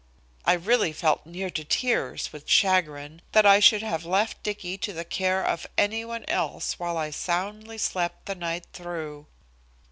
I really felt near to tears with chagrin that I should have left Dicky to the care of any one else while I soundly slept the night through.